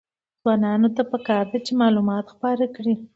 ځوانانو ته پکار ده چې، معلومات خپاره کړي.